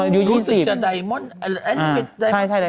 รู้สึกจะไดมอนด์